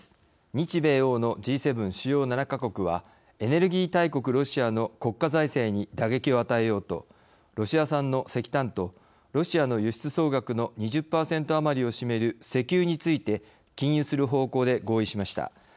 日米欧のＧ７＝主要７か国はエネルギー大国ロシアの国家財政に打撃を与えようとロシア産の石炭とロシアの輸出総額の２０％余りを占める石油について禁輸する方向で合意しました。